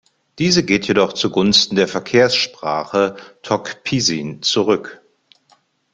Diese geht jedoch zugunsten der Verkehrssprache Tok Pisin zurück.